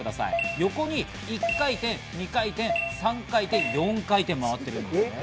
横に１回転、２回転、３回転、４回転、回ってます。